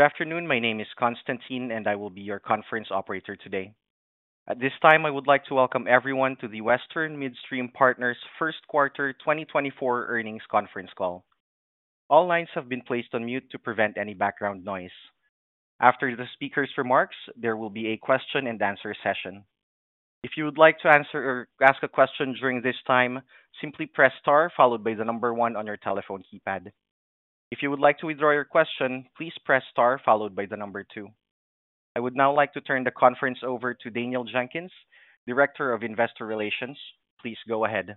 Good afternoon. My name is Constantine, and I will be your conference operator today. At this time, I would like to welcome everyone to the Western Midstream Partners first quarter 2024 earnings conference call. All lines have been placed on mute to prevent any background noise. After the speaker's remarks, there will be a question-and-answer session. If you would like to answer or ask a question during this time, simply press star followed by the number one on your telephone keypad. If you would like to withdraw your question, please press star followed by the number two. I would now like to turn the conference over to Daniel Jenkins, Director of Investor Relations. Please go ahead.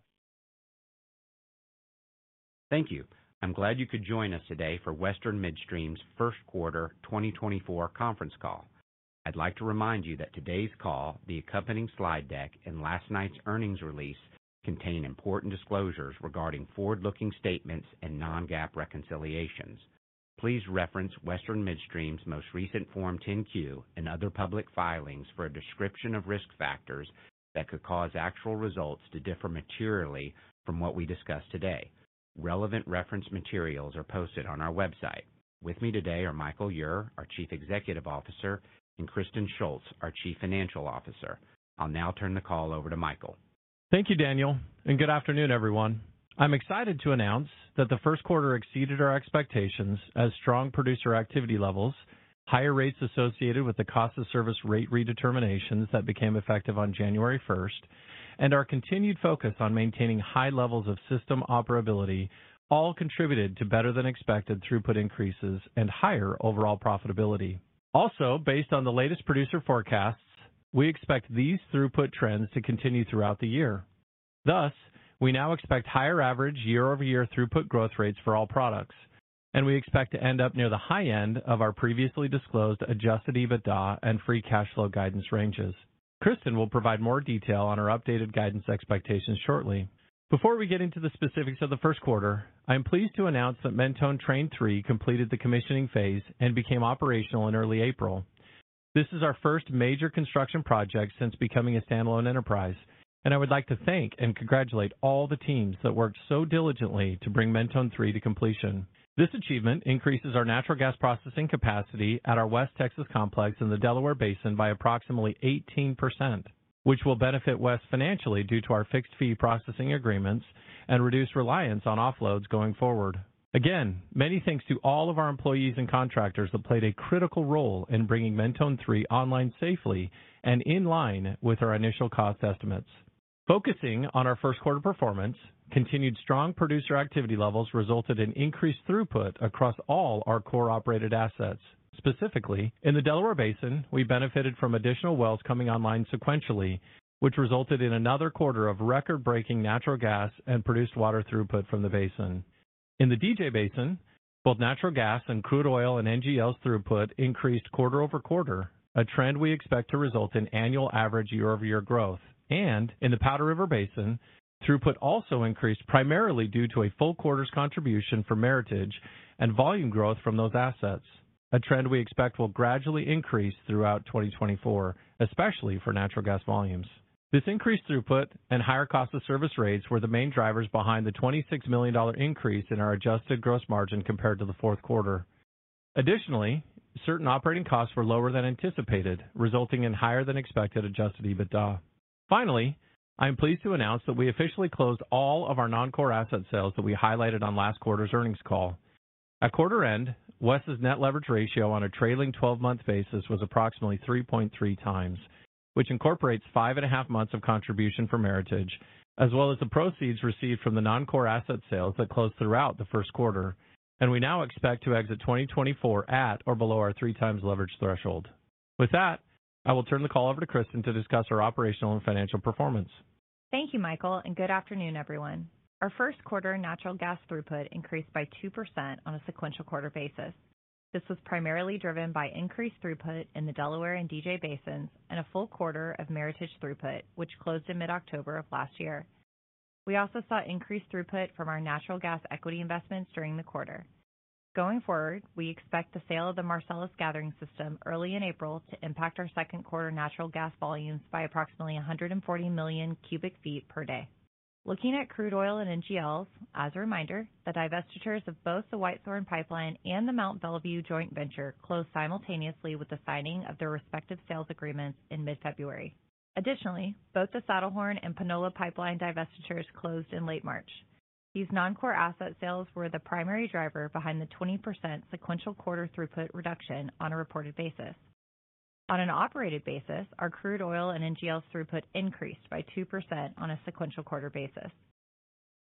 Thank you. I'm glad you could join us today for Western Midstream's first quarter 2024 conference call. I'd like to remind you that today's call, the accompanying slide deck and last night's earnings release contain important disclosures regarding forward-looking statements and non-GAAP reconciliations. Please reference Western Midstream's most recent Form 10-Q and other public filings for a description of risk factors that could cause actual results to differ materially from what we discuss today. Relevant reference materials are posted on our website. With me today are Michael Ure, our Chief Executive Officer, and Kristen Shults, our Chief Financial Officer. I'll now turn the call over to Michael. Thank you, Daniel, and good afternoon, everyone. I'm excited to announce that the first quarter exceeded our expectations as strong producer activity levels, higher rates associated with the cost of service rate redeterminations that became effective on January first, and our continued focus on maintaining high levels of system operability all contributed to better than expected throughput increases and higher overall profitability. Also, based on the latest producer forecasts, we expect these throughput trends to continue throughout the year. Thus, we now expect higher average year-over-year throughput growth rates for all products, and we expect to end up near the high end of our previously disclosed Adjusted EBITDA and Free Cash Flow guidance ranges. Kristen will provide more detail on our updated guidance expectations shortly. Before we get into the specifics of the first quarter, I am pleased to announce that Mentone Train III completed the commissioning phase and became operational in early April. This is our first major construction project since becoming a standalone enterprise, and I would like to thank and congratulate all the teams that worked so diligently to bring Mentone III to completion. This achievement increases our natural gas processing capacity at our West Texas complex in the Delaware Basin by approximately 18%, which will benefit West financially due to our fixed fee processing agreements and reduce reliance on offloads going forward. Again, many thanks to all of our employees and contractors that played a critical role in bringing Mentone III online safely and in line with our initial cost estimates. Focusing on our first quarter performance, continued strong producer activity levels resulted in increased throughput across all our core operated assets. Specifically, in the Delaware Basin, we benefited from additional wells coming online sequentially, which resulted in another quarter of record-breaking natural gas and produced water throughput from the basin. In the DJ Basin, both natural gas and crude oil and NGLs throughput increased quarter-over-quarter, a trend we expect to result in annual average year-over-year growth. In the Powder River Basin, throughput also increased, primarily due to a full quarter's contribution for Meritage and volume growth from those assets, a trend we expect will gradually increase throughout 2024, especially for natural gas volumes. This increased throughput and higher cost of service rates were the main drivers behind the $26 million increase in our adjusted gross margin compared to the fourth quarter. Additionally, certain operating costs were lower than anticipated, resulting in higher than expected Adjusted EBITDA. Finally, I am pleased to announce that we officially closed all of our non-core asset sales that we highlighted on last quarter's earnings call. At quarter end, WES's net leverage ratio on a trailing-twelve-month basis was approximately 3.3 times, which incorporates 5.5 months of contribution from Meritage, as well as the proceeds received from the non-core asset sales that closed throughout the first quarter. And we now expect to exit 2024 at or below our 3 times leverage threshold. With that, I will turn the call over to Kristen to discuss our operational and financial performance. Thank you, Michael, and good afternoon, everyone. Our first quarter natural gas throughput increased by 2% on a sequential quarter basis. This was primarily driven by increased throughput in the Delaware and DJ Basins and a full quarter of Meritage throughput, which closed in mid-October of last year. We also saw increased throughput from our natural gas equity investments during the quarter. Going forward, we expect the sale of the Marcellus Gathering system early in April to impact our second quarter natural gas volumes by approximately 140 million cubic feet per day. Looking at crude oil and NGLs, as a reminder, the divestitures of both the Whitethorn Pipeline and the Mont Belview joint venture closed simultaneously with the signing of their respective sales agreements in mid-February. Additionally, both the Saddlehorn and Panola Pipeline divestitures closed in late March. These non-core asset sales were the primary driver behind the 20% sequential quarter throughput reduction on a reported basis. On an operated basis, our crude oil and NGLs throughput increased by 2% on a sequential quarter basis.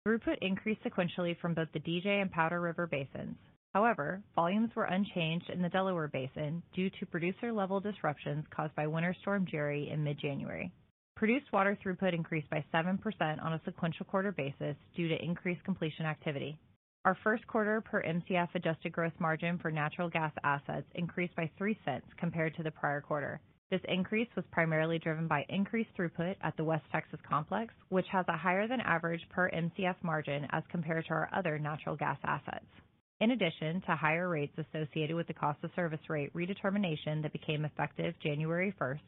Throughput increased sequentially from both the DJ and Powder River Basins. However, volumes were unchanged in the Delaware Basin due to producer-level disruptions caused by Winter Storm Gerri in mid-January. Produced water throughput increased by 7% on a sequential quarter basis due to increased completion activity. Our first quarter per Mcf Adjusted Gross Margin for natural gas assets increased by $0.03 compared to the prior quarter. This increase was primarily driven by increased throughput at the West Texas complex, which has a higher than average per Mcf margin as compared to our other natural gas assets. In addition to higher rates associated with the cost of service rate redetermination that became effective January 1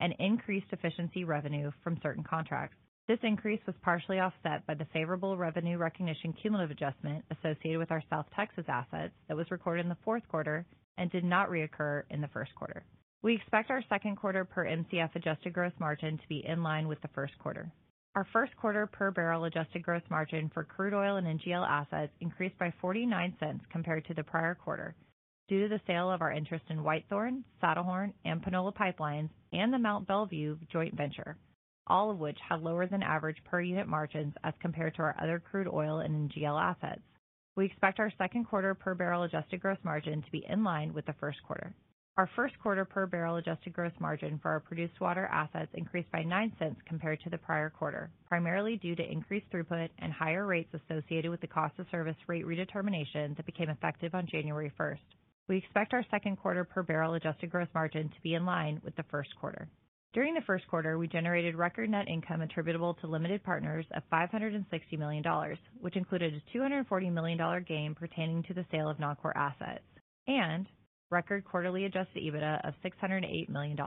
and increased efficiency revenue from certain contracts. This increase was partially offset by the favorable revenue recognition cumulative adjustment associated with our South Texas assets that was recorded in the fourth quarter and did not reoccur in the first quarter. We expect our second quarter per Mcf adjusted gross margin to be in line with the first quarter. Our first quarter per-barrel adjusted gross margin for crude oil and NGL assets increased by $0.49 compared to the prior quarter, due to the sale of our interest in Whitethorn Pipeline, Saddlehorn Pipeline, and Panola Pipeline and the Mont Belview joint venture, all of which have lower than average per unit margins as compared to our other crude oil and NGL assets. We expect our second quarter per-barrel adjusted gross margin to be in line with the first quarter. Our first quarter per-barrel adjusted gross margin for our produced water assets increased by $0.09 compared to the prior quarter, primarily due to increased throughput and higher rates associated with the cost of service rate redetermination that became effective on January 1. We expect our second quarter per-barrel adjusted gross margin to be in line with the first quarter. During the first quarter, we generated record net income attributable to limited partners of $560 million, which included a $240 million gain pertaining to the sale of non-core assets and record quarterly adjusted EBITDA of $608 million.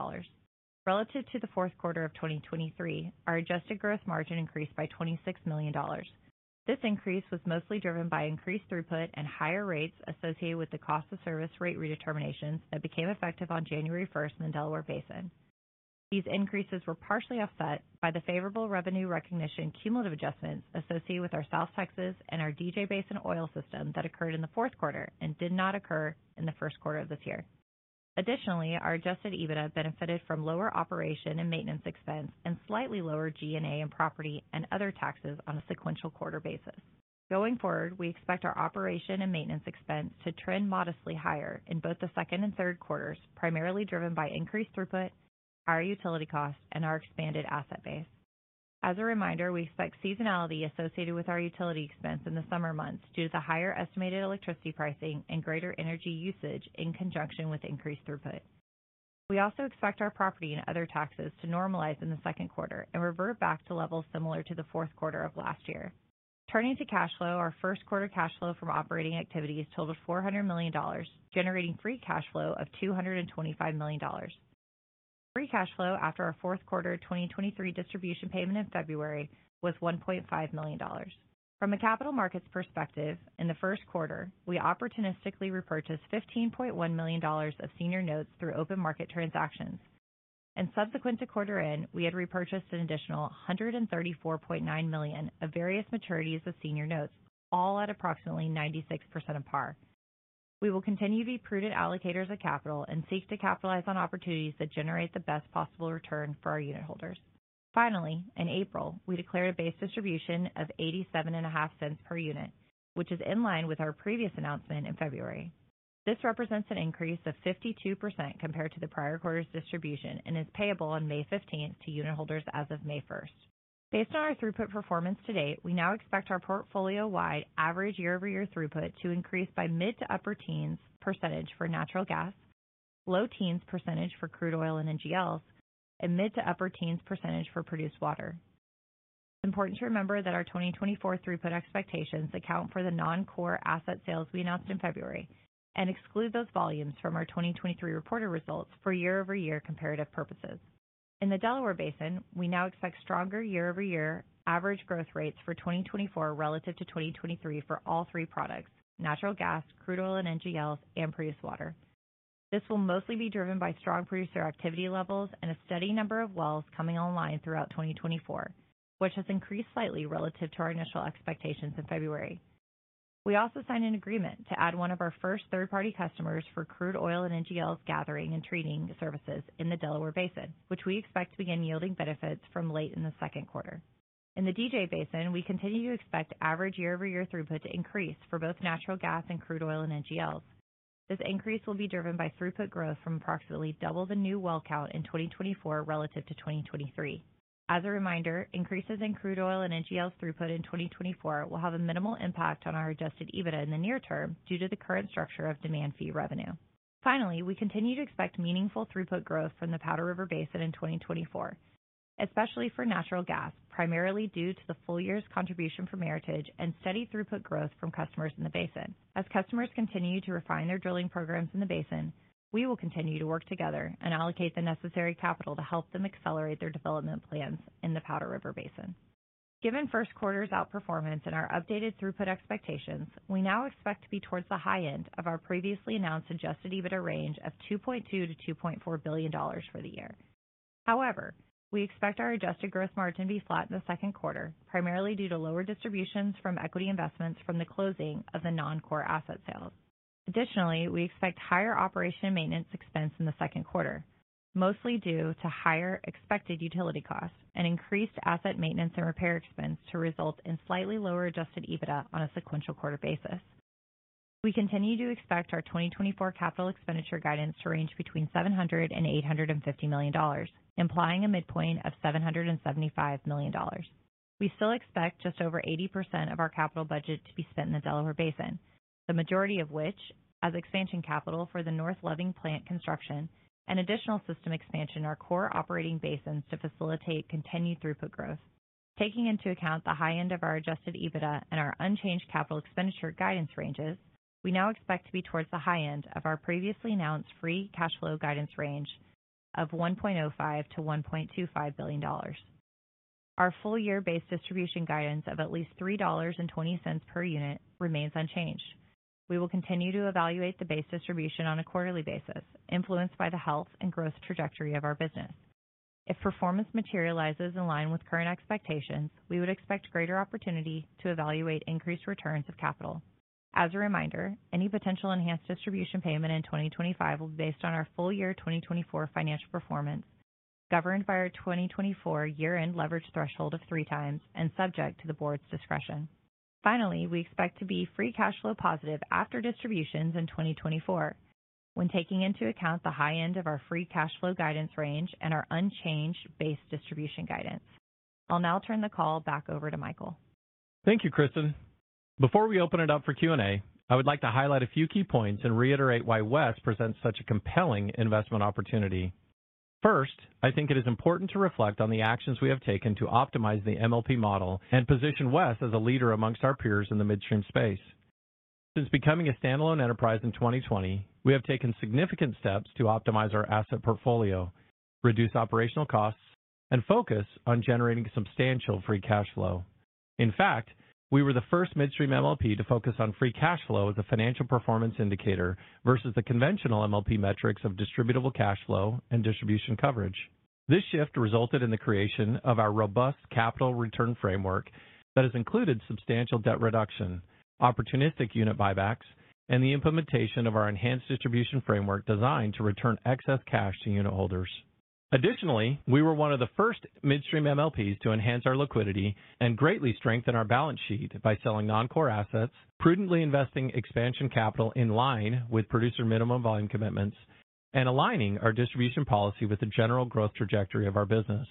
Relative to the fourth quarter of 2023, our adjusted gross margin increased by $26 million. This increase was mostly driven by increased throughput and higher rates associated with the cost of service rate redeterminations that became effective on January 1 in the Delaware Basin. These increases were partially offset by the favorable revenue recognition cumulative adjustments associated with our South Texas and our DJ Basin oil system that occurred in the fourth quarter and did not occur in the first quarter of this year. Additionally, our Adjusted EBITDA benefited from lower operation and maintenance expense and slightly lower G&A and property and other taxes on a sequential quarter basis. Going forward, we expect our operation and maintenance expense to trend modestly higher in both the second and third quarters, primarily driven by increased throughput, higher utility costs, and our expanded asset base. As a reminder, we expect seasonality associated with our utility expense in the summer months due to the higher estimated electricity pricing and greater energy usage in conjunction with increased throughput. We also expect our property and other taxes to normalize in the second quarter and revert back to levels similar to the fourth quarter of last year. Turning to cash flow, our first quarter cash flow from operating activities totaled $400 million, generating free cash flow of $225 million. Free cash flow after our fourth quarter 2023 distribution payment in February was $1.5 million. From a capital markets perspective, in the first quarter, we opportunistically repurchased $15.1 million of senior notes through open market transactions, and subsequent to quarter end, we had repurchased an additional $134.9 million of various maturities of senior notes, all at approximately 96% of par. We will continue to be prudent allocators of capital and seek to capitalize on opportunities that generate the best possible return for our unit holders. Finally, in April, we declared a base distribution of $0.875 per unit, which is in line with our previous announcement in February. This represents an increase of 52% compared to the prior quarter's distribution and is payable on May fifteenth to unit holders as of May first. Based on our throughput performance to date, we now expect our portfolio-wide average year-over-year throughput to increase by mid- to upper-teens % for natural gas, low-teens % for crude oil and NGLs, and mid- to upper-teens % for produced water. It's important to remember that our 2024 throughput expectations account for the non-core asset sales we announced in February and exclude those volumes from our 2023 reported results for year-over-year comparative purposes. In the Delaware Basin, we now expect stronger year-over-year average growth rates for 2024 relative to 2023 for all three products: natural gas, crude oil and NGLs, and produced water. This will mostly be driven by strong producer activity levels and a steady number of wells coming online throughout 2024, which has increased slightly relative to our initial expectations in February. We also signed an agreement to add one of our first third-party customers for crude oil and NGLs gathering and treating services in the Delaware Basin, which we expect to begin yielding benefits from late in the second quarter. In the DJ Basin, we continue to expect average year-over-year throughput to increase for both natural gas and crude oil and NGLs. This increase will be driven by throughput growth from approximately double the new well count in 2024 relative to 2023. As a reminder, increases in crude oil and NGLs throughput in 2024 will have a minimal impact on our Adjusted EBITDA in the near term due to the current structure of demand fee revenue. Finally, we continue to expect meaningful throughput growth from the Powder River Basin in 2024, especially for natural gas, primarily due to the full year's contribution from Meritage and steady throughput growth from customers in the basin. As customers continue to refine their drilling programs in the basin, we will continue to work together and allocate the necessary capital to help them accelerate their development plans in the Powder River Basin. Given first quarter's outperformance and our updated throughput expectations, we now expect to be towards the high end of our previously announced Adjusted EBITDA range of $2.2 billion-$2.4 billion for the year. However, we expect our Adjusted Gross Margin to be flat in the second quarter, primarily due to lower distributions from equity investments from the closing of the non-core asset sales. Additionally, we expect higher operation maintenance expense in the second quarter, mostly due to higher expected utility costs and increased asset maintenance and repair expense, to result in slightly lower Adjusted EBITDA on a sequential quarter basis. We continue to expect our 2024 capital expenditure guidance to range between $700 million and $850 million, implying a midpoint of $775 million. We still expect just over 80% of our capital budget to be spent in the Delaware Basin, the majority of which as expansion capital for the North Loving Plant construction and additional system expansion in our core operating basins to facilitate continued throughput growth. Taking into account the high end of our Adjusted EBITDA and our unchanged capital expenditure guidance ranges, we now expect to be towards the high end of our previously announced Free Cash Flow guidance range of $1.05 billion-$1.25 billion. Our full-year base distribution guidance of at least $3.20 per unit remains unchanged. We will continue to evaluate the base distribution on a quarterly basis, influenced by the health and growth trajectory of our business. If performance materializes in line with current expectations, we would expect greater opportunity to evaluate increased returns of capital. As a reminder, any potential enhanced distribution payment in 2025 will be based on our full year 2024 financial performance, governed by our 2024 year-end leverage threshold of 3x and subject to the board's discretion. Finally, we expect to be Free Cash Flow positive after distributions in 2024, when taking into account the high end of our Free Cash Flow guidance range and our unchanged base distribution guidance. I'll now turn the call back over to Michael. Thank you, Kristen. Before we open it up for Q&A, I would like to highlight a few key points and reiterate why WES presents such a compelling investment opportunity. First, I think it is important to reflect on the actions we have taken to optimize the MLP model and position WES as a leader amongst our peers in the midstream space. Since becoming a standalone enterprise in 2020, we have taken significant steps to optimize our asset portfolio, reduce operational costs, and focus on generating substantial free cash flow. In fact, we were the first midstream MLP to focus on free cash flow as a financial performance indicator versus the conventional MLP metrics of distributable cash flow and distribution coverage. This shift resulted in the creation of our robust capital return framework that has included substantial debt reduction, opportunistic unit buybacks, and the implementation of our enhanced distribution framework designed to return excess cash to unitholders. Additionally, we were one of the first midstream MLPs to enhance our liquidity and greatly strengthen our balance sheet by selling non-core assets, prudently investing expansion capital in line with producer minimum volume commitments, and aligning our distribution policy with the general growth trajectory of our business.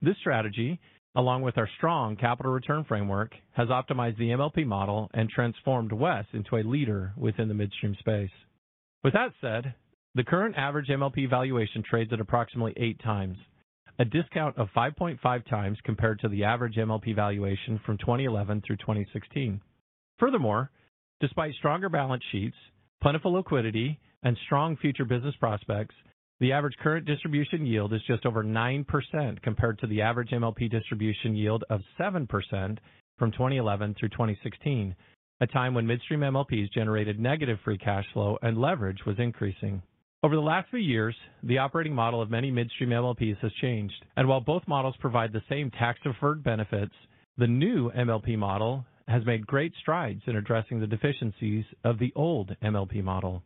This strategy, along with our strong capital return framework, has optimized the MLP model and transformed WES into a leader within the midstream space. With that said, the current average MLP valuation trades at approximately 8x, a discount of 5.5x compared to the average MLP valuation from 2011 through 2016. Furthermore, despite stronger balance sheets, plentiful liquidity, and strong future business prospects, the average current distribution yield is just over 9%, compared to the average MLP distribution yield of 7% from 2011 through 2016, a time when midstream MLPs generated negative free cash flow and leverage was increasing. Over the last few years, the operating model of many midstream MLPs has changed, and while both models provide the same tax-deferred benefits, the new MLP model has made great strides in addressing the deficiencies of the old MLP model.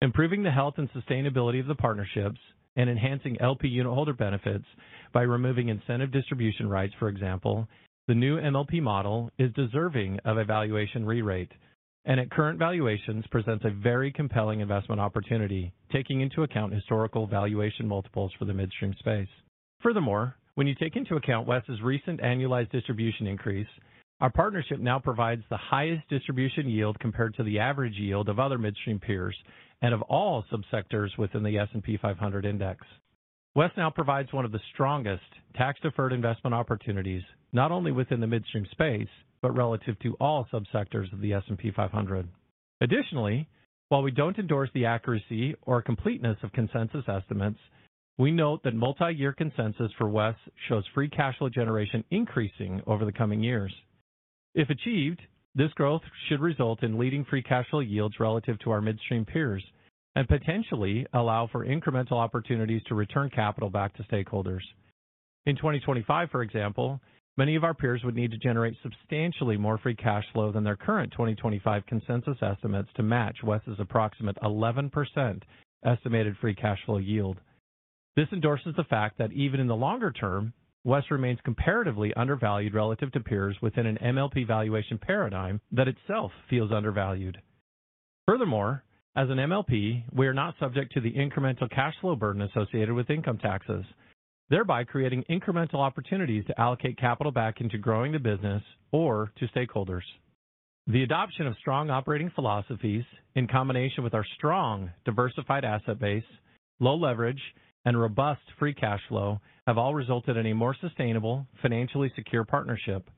Improving the health and sustainability of the partnerships and enhancing LP unitholder benefits by removing incentive distribution rights, for example, the new MLP model is deserving of a valuation re-rate, and at current valuations presents a very compelling investment opportunity, taking into account historical valuation multiples for the midstream space. Furthermore, when you take into account WES's recent annualized distribution increase, our partnership now provides the highest distribution yield compared to the average yield of other midstream peers and of all subsectors within the S&P 500 index. WES now provides one of the strongest tax-deferred investment opportunities, not only within the midstream space, but relative to all subsectors of the S&P 500. Additionally, while we don't endorse the accuracy or completeness of consensus estimates, we note that multi-year consensus for WES shows free cash flow generation increasing over the coming years. If achieved, this growth should result in leading free cash flow yields relative to our midstream peers and potentially allow for incremental opportunities to return capital back to stakeholders. In 2025, for example, many of our peers would need to generate substantially more free cash flow than their current 2025 consensus estimates to match WES's approximate 11% estimated free cash flow yield. This endorses the fact that even in the longer term, WES remains comparatively undervalued relative to peers within an MLP valuation paradigm that itself feels undervalued. Furthermore, as an MLP, we are not subject to the incremental cash flow burden associated with income taxes, thereby creating incremental opportunities to allocate capital back into growing the business or to stakeholders. The adoption of strong operating philosophies, in combination with our strong diversified asset base, low leverage, and robust free cash flow, have all resulted in a more sustainable, financially secure partnership.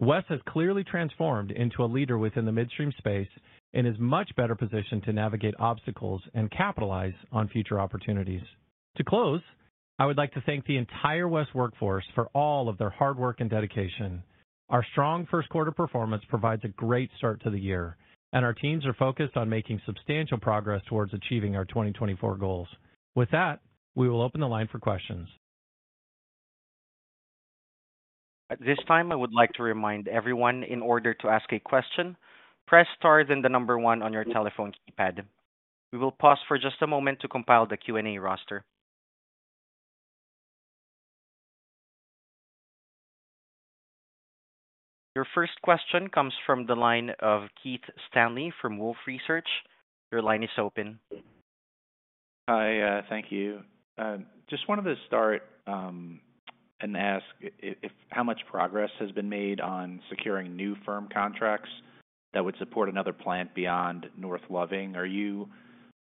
WES has clearly transformed into a leader within the midstream space and is much better positioned to navigate obstacles and capitalize on future opportunities. To close, I would like to thank the entire WES workforce for all of their hard work and dedication. Our strong first quarter performance provides a great start to the year, and our teams are focused on making substantial progress towards achieving our 2024 goals. With that, we will open the line for questions. At this time, I would like to remind everyone, in order to ask a question, press star, then the number 1 on your telephone keypad. We will pause for just a moment to compile the Q&A roster. Your first question comes from the line of Keith Stanley from Wolfe Research. Your line is open. Hi, thank you. Just wanted to start and ask if how much progress has been made on securing new firm contracts? That would support another plant beyond North Loving. Are you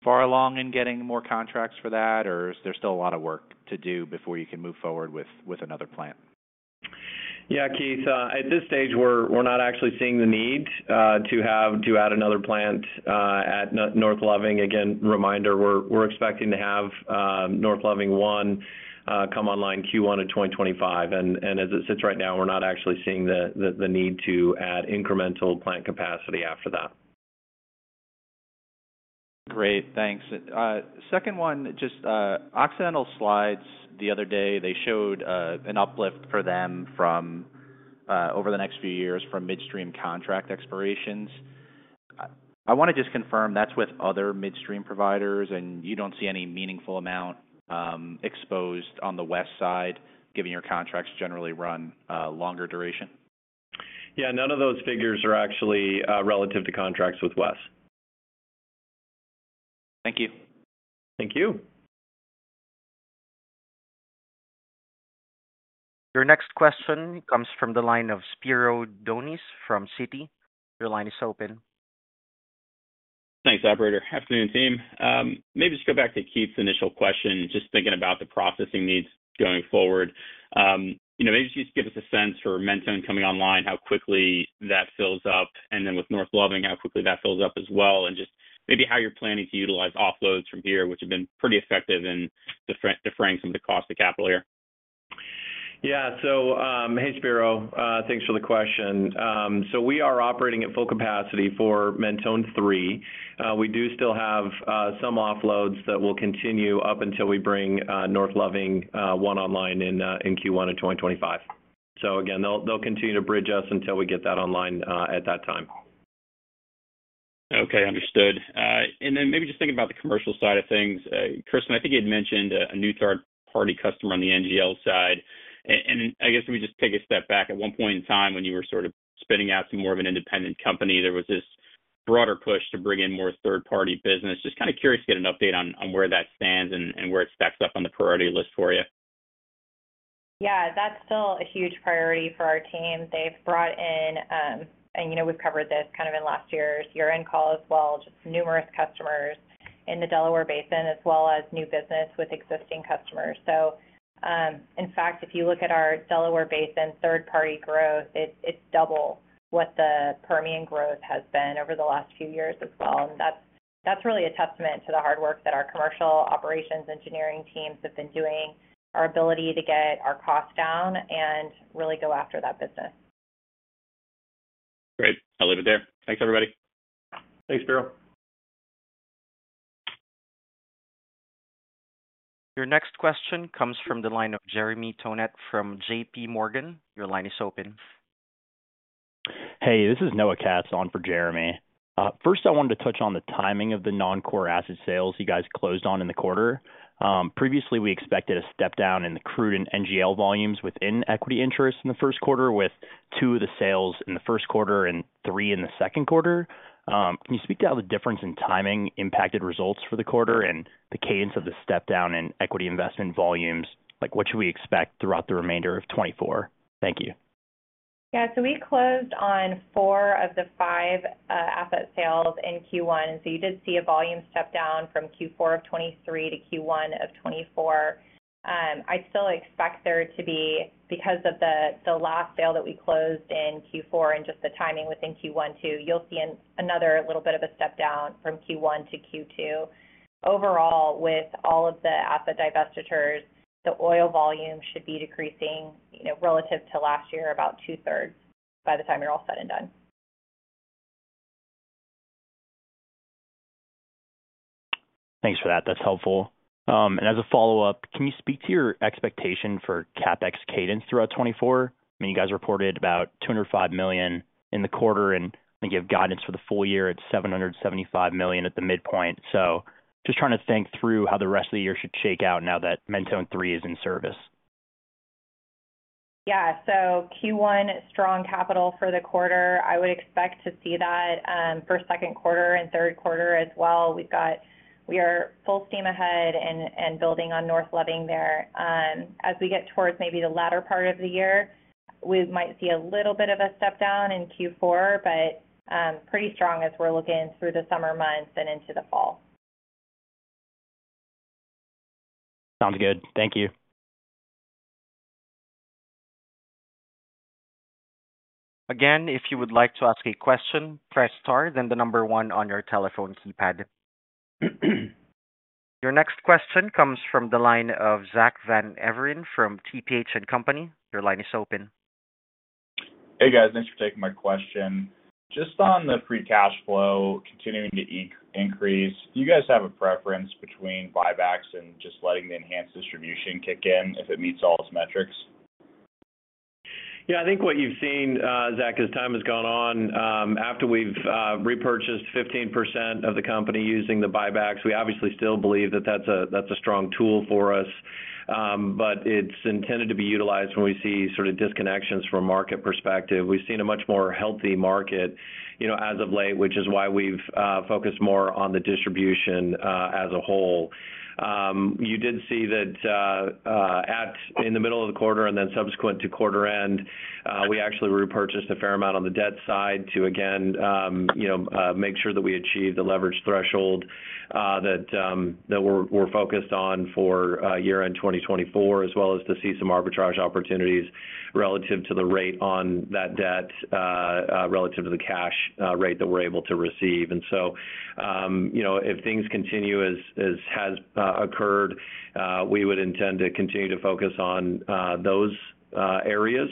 far along in getting more contracts for that, or is there still a lot of work to do before you can move forward with another plant? Yeah, Keith, at this stage, we're not actually seeing the need to have to add another plant at North Loving. Again, reminder, we're expecting to have North Loving I come online Q1 of 2025. And as it sits right now, we're not actually seeing the need to add incremental plant capacity after that. Great, thanks. Second one, just, Occidental slides the other day, they showed, an uplift for them from, over the next few years from midstream contract expirations. I wanna just confirm, that's with other midstream providers, and you don't see any meaningful amount, exposed on the WES side, given your contracts generally run, longer duration? Yeah, none of those figures are actually relative to contracts with West. Thank you. Thank you. Your next question comes from the line of Spiro Dounis from Citi. Your line is open. Thanks, operator. Afternoon, team. Maybe just go back to Keith's initial question, just thinking about the processing needs going forward. You know, maybe just give us a sense for Mentone coming online, how quickly that fills up, and then with North Loving, how quickly that fills up as well, and just maybe how you're planning to utilize offloads from here, which have been pretty effective in deferring some of the cost of capital here. Yeah. So, hey, Spiro, thanks for the question. So we are operating at full capacity for Mentone three. We do still have some offloads that will continue up until we bring North Loving I online in Q1 of 2025. So again, they'll continue to bridge us until we get that online at that time. Okay, understood. And then maybe just thinking about the commercial side of things. Kristen, I think you had mentioned a new third-party customer on the NGL side. And I guess let me just take a step back. At one point in time, when you were sort of spinning out to more of an independent company, there was this broader push to bring in more third-party business. Just kind of curious to get an update on where that stands and where it stacks up on the priority list for you. Yeah, that's still a huge priority for our team. They've brought in, and, you know, we've covered this kind of in last year's year-end call as well, just numerous customers in the Delaware Basin, as well as new business with existing customers. So, in fact, if you look at our Delaware Basin third-party growth, it's double what the Permian growth has been over the last few years as well. And that's really a testament to the hard work that our commercial operations engineering teams have been doing, our ability to get our costs down and really go after that business. Great. I'll leave it there. Thanks, everybody. Thanks, Spiro. Your next question comes from the line of Jeremy Tonet from JP Morgan. Your line is open. Hey, this is Noah Katz on for Jeremy. First, I wanted to touch on the timing of the non-core asset sales you guys closed on in the quarter. Previously, we expected a step down in the crude and NGL volumes within equity interest in the first quarter, with two of the sales in the first quarter and three in the second quarter. Can you speak to how the difference in timing impacted results for the quarter and the cadence of the step down in equity investment volumes? Like, what should we expect throughout the remainder of 2024? Thank you. Yeah, so we closed on four of the five asset sales in Q1, so you did see a volume step down from Q4 of 2023 to Q1 of 2024. I still expect there to be because of the last sale that we closed in Q4 and just the timing within Q1 to Q2, you'll see another little bit of a step down from Q1 to Q2. Overall, with all of the asset divestitures, the oil volume should be decreasing, you know, relative to last year, about two-thirds, by the time you're all said and done. Thanks for that. That's helpful. And as a follow-up, can you speak to your expectation for CapEx cadence throughout 2024? I mean, you guys reported about $205 million in the quarter, and I think you have guidance for the full year at $775 million at the midpoint. So just trying to think through how the rest of the year should shake out now that Mentone three is in service. Yeah. So Q1, strong capital for the quarter. I would expect to see that for second quarter and third quarter as well. We are full steam ahead and building on North Loving there. As we get towards maybe the latter part of the year, we might see a little bit of a step down in Q4, but pretty strong as we're looking through the summer months and into the fall. Sounds good. Thank you. Again, if you would like to ask a question, press star, then the number one on your telephone keypad. Your next question comes from the line of Zach Van Everen from TPH & Company. Your line is open. Hey, guys. Thanks for taking my question. Just on the free cash flow continuing to increase, do you guys have a preference between buybacks and just letting the enhanced distribution kick in if it meets all its metrics? Yeah, I think what you've seen, Zach, as time has gone on, after we've repurchased 15% of the company using the buybacks, we obviously still believe that that's a, that's a strong tool for us. But it's intended to be utilized when we see sort of disconnections from a market perspective. We've seen a much more healthy market, you know, as of late, which is why we've focused more on the distribution as a whole. You did see that, in the middle of the quarter and then subsequent to quarter end, we actually repurchased a fair amount on the debt side to, again, you know, make sure that we achieve the leverage threshold that we're focused on for year-end 2024, as well as to see some arbitrage opportunities relative to the rate on that debt relative to the cash rate that we're able to receive. And so, you know, if things continue as has occurred, we would intend to continue to focus on those areas,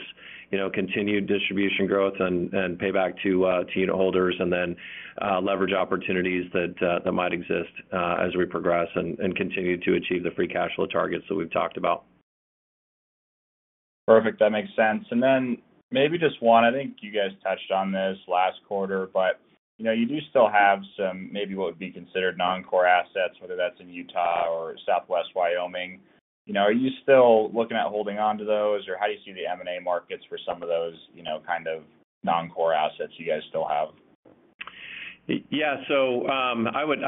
you know, continued distribution growth and pay back to unit holders and then leverage opportunities that might exist as we progress and continue to achieve the Free Cash Flow targets that we've talked about. Perfect. That makes sense. And then maybe just one, I think you guys touched on this last quarter, but, you know, you do still have some, maybe what would be considered non-core assets, whether that's in Utah or Southwest Wyoming. You know, are you still looking at holding on to those? Or how do you see the M&A markets for some of those, you know, kind of non-core assets you guys still have? Yeah. So, I would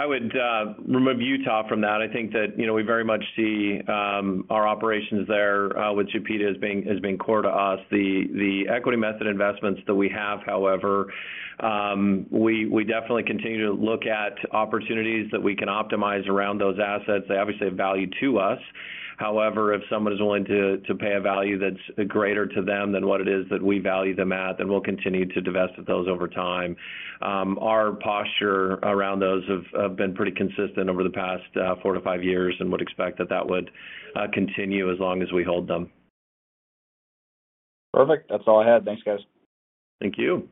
remove Utah from that. I think that, you know, we very much see our operations there with Jupiter as being core to us. The equity method investments that we have, however, we definitely continue to look at opportunities that we can optimize around those assets. They obviously have value to us. However, if someone is willing to pay a value that's greater to them than what it is that we value them at, then we'll continue to divest those over time. Our posture around those have been pretty consistent over the past four to five years and would expect that that would continue as long as we hold them. Perfect. That's all I had. Thanks, guys. Thank you.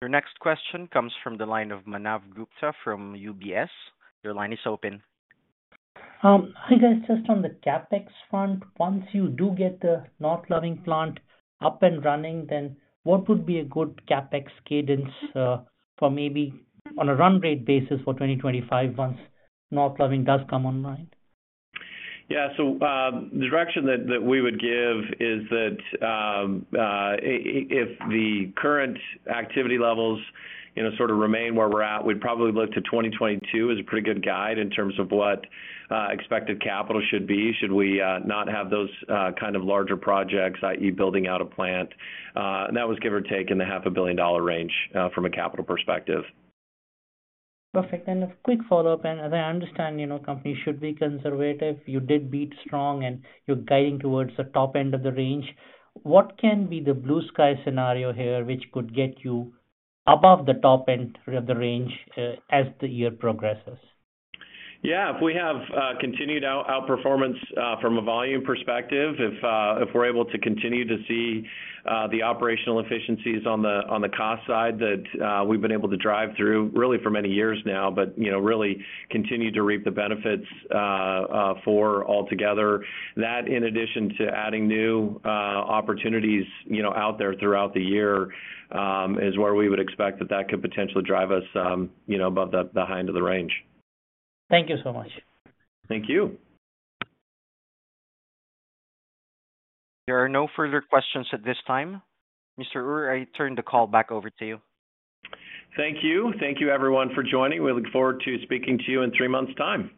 Your next question comes from the line of Manav Gupta from UBS. Your line is open. Hi, guys. Just on the CapEx front, once you do get the North Loving Plant up and running, then what would be a good CapEx cadence for maybe on a run rate basis for 2025, once North Loving does come online? Yeah. So, the direction that we would give is that, if the current activity levels, you know, sort of remain where we're at, we'd probably look to 2022 as a pretty good guide in terms of what expected capital should be, should we not have those kind of larger projects, i.e., building out a plant. That was give or take in the $500 million range, from a capital perspective. Perfect. A quick follow-up, and as I understand, you know, companies should be conservative. You did beat strong, and you're guiding towards the top end of the range. What can be the blue sky scenario here, which could get you above the top end of the range, as the year progresses? Yeah. If we have continued outperformance from a volume perspective, if we're able to continue to see the operational efficiencies on the cost side that we've been able to drive through really for many years now, but you know really continue to reap the benefits for altogether. That, in addition to adding new opportunities you know out there throughout the year, is where we would expect that that could potentially drive us you know above the high end of the range. Thank you so much. Thank you. There are no further questions at this time. Mr. Ure, I turn the call back over to you. Thank you. Thank you everyone for joining. We look forward to speaking to you in three months' time.